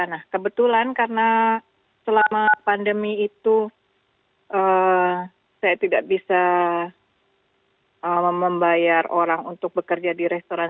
nah kebetulan karena selama pandemi itu saya tidak bisa membayar orang untuk bekerja di restoran